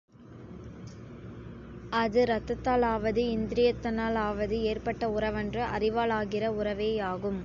அது இரத்தத்தாலாவது இந்திரியத்தினாலாவது ஏற்பட்ட உறவன்று, அறிவாலாகிற உறவேயாகும்.